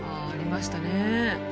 ありましたね。